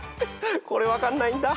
これ分かんないんだ。